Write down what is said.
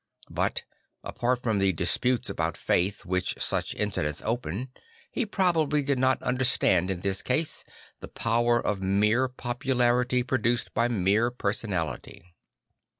But, apart from the disputes about faith which such incidents open, he probably did not understand in this case the power of mere popularity produced by mere personality.